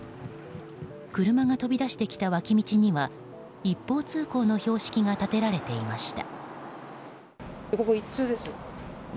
車が飛び出してきた脇道には一方通行の標識が立てられていました。